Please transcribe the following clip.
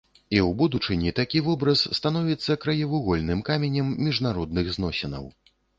І ў будучыні такі вобраз становіцца краевугольным каменем міжнародных зносінаў.